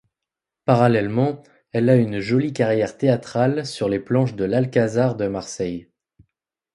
Parallèlement, elle a une jolie carrière théâtrale sur les planches de l'Alcazar de Marseille.